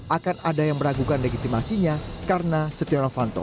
akan ada yang meragukan legitimasinya karena setia novanto